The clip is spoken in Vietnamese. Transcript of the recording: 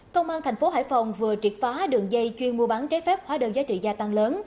công an thành phố hải phòng vừa triệt phá đường dây chuyên mua bán trái phép hóa đơn giá trị gia tăng lớn